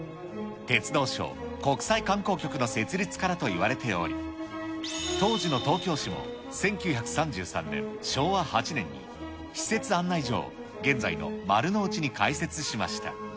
鉄道省国際観光局の設立からと言われており、当時の東京市も１９３３年・昭和８年に、市設案内所を現在の丸の内に開設しました。